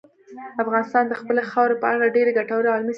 افغانستان د خپلې خاورې په اړه ډېرې ګټورې علمي څېړنې لري.